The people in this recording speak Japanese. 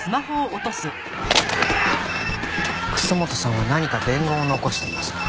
楠本さんは何か伝言を残しています。